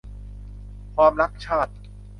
ความรักชาติ